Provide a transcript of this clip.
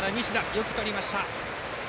よくとりました。